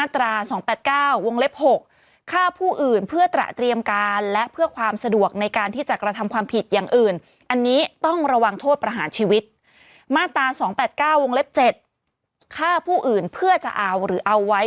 ตรงเล็บ๗ฆ่าผู้อื่นเพื่อจะเอาหรือเอาไว้